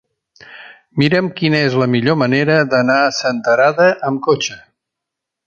Mira'm quina és la millor manera d'anar a Senterada amb cotxe.